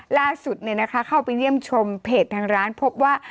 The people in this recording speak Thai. ล่าสุดเนี่ยนะคะเข้าไปเยี่ยมชมเพจทางร้านพบว่า